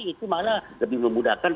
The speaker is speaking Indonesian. itu malah lebih memudahkan